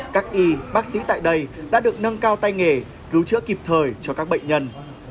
các y bác sĩ tại đây đã được nâng cao tay nghề cứu chữa kịp thời cho các bệnh nhân